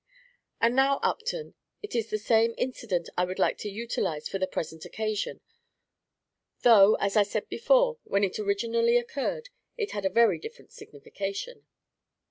And now, Upton, it is this same incident I would utilize for the present occasion, though, as I said before, when it originally occurred it had a very different signification."